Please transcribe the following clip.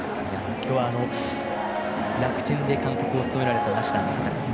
今日は楽天で監督を務められました梨田昌孝さん